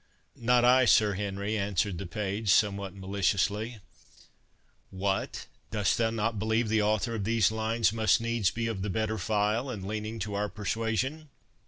"Not I, Sir Henry," answered the page, somewhat maliciously. "What, dost not believe the author of these lines must needs be of the better file, and leaning to our persuasion?"